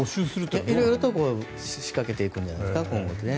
いろいろ仕掛けていくんじゃないですかね。